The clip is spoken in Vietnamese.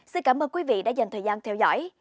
xin cảm ơn quý vị đã dành thời gian theo dõi